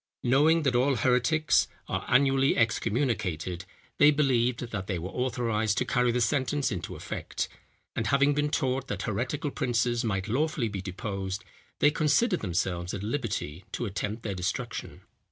Knowing that all heretics are annually excommunicated, they believed that they were authorized to carry the sentence into effect; and having been taught that heretical princes might lawfully be deposed, they considered themselves at liberty to attempt their destruction.